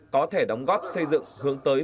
có thể đóng góp xây dựng hướng tới